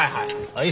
はい。